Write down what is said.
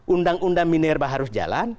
undang undang minerba harus jalan